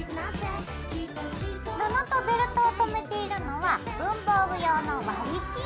布とベルトをとめているのは文房具用の割りピン。